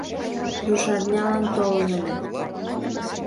Рушарнялан толын ыле.